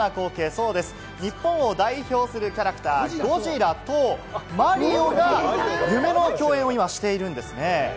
そうです、日本を代表するキャラクター、ゴジラとマリオが、夢の共演を今しているんです。